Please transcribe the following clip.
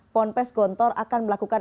ponpes gontor akan melakukan